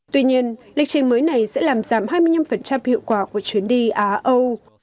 tuy nhiên lịch trình mới này sẽ làm giảm hai mươi năm hiệu quả của chuyến đi á âu